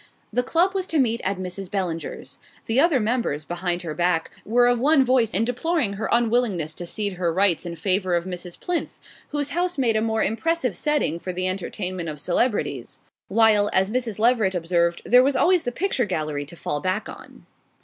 The club was to meet at Mrs. Bellinger's. The other members, behind her back, were of one voice in deploring her unwillingness to cede her rights in favor of Mrs. Plinth, whose house made a more impressive setting for the entertainment of celebrities; while, as Mrs. Leveret observed, there was always the picture gallery to fall back on.